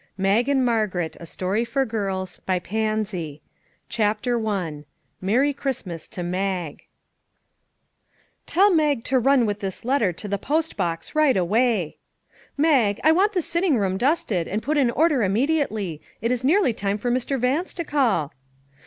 MAG &f MARGARET # MAG AND MARGARET " MERRY CHRISTMAS TO MAG T ELL Mag to run with this letter to the post box, right away." " Mag, I want the sitting room dusted and put in order immediately; it is nearly time for Mr. Vance to call."